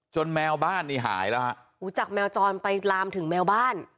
จนแมวบ้านหายแล้วครับจากแมวจรไปรามถึงแมวบ้าน